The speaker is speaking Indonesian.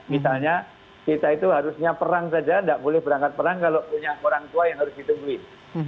misalnya kita itu harusnya perang saja tidak boleh berangkat perang kalau punya orang tua yang harus ditungguin